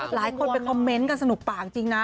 หลายคนไปคอมเมนต์กันสนุกปากจริงนะ